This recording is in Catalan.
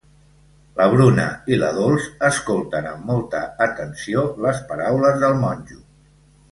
La Bruna i la Dols escolten amb molta atenció les paraules del monjo.